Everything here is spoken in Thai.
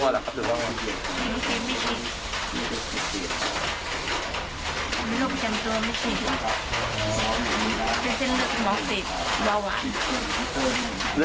เลือกที่จะไม่ชีดดีกว่าเนอะ